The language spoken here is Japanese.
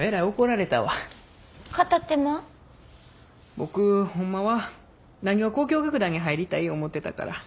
僕ホンマは浪花交響楽団に入りたい思うてたから。